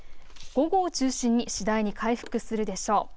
午後中心に次第に回復するでしょう。